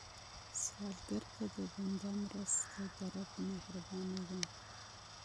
سوالګر ته د بنده مرسته، د رب مهرباني ده